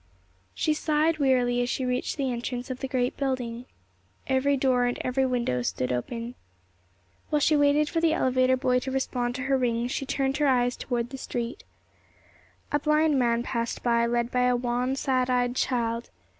She sighed wearily as she reached the entrance of the great building. Every door and window stood open. While she waited for the elevator boy to respond to her ring, she turned her eyes toward the street. A blind man passed by, led by a wan, sad eyed child.